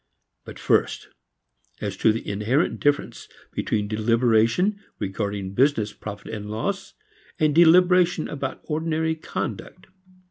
But first as to the inherent difference between deliberation regarding business profit and loss and deliberation about ordinary conduct.